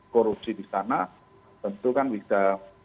korupsi di sana tentu kan bisa